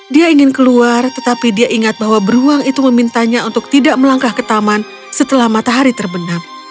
dia ingin keluar tetapi dia ingat bahwa beruang itu memintanya untuk tidak melangkah ke taman setelah matahari terbenam